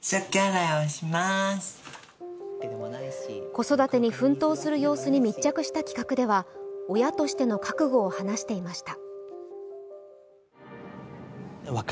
子育てに奮闘する様子に密着した企画では親としての覚悟を話していました。